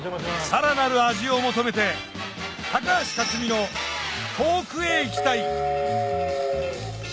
さらなる味を求めて高橋克実の『遠くへ行きたい』